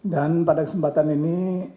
dan pada kesempatan ini